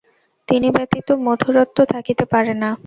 তিনি ব্যতীত মধুরত্ব থাকিতে পারে না।